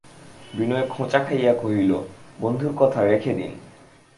বিনয় খোঁচা খাইয়া কহিল, বন্ধুর কথা রেখে দিন।